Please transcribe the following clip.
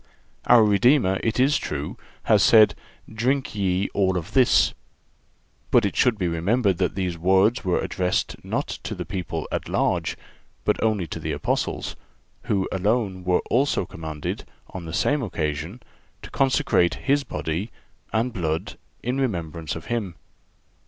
Our Redeemer, it is true, has said: "Drink ye all of this." But it should be remembered that these words were addressed not to the people at large, but only to the Apostles, who alone were also commanded, on the same occasion, to consecrate His body and blood in remembrance of Him.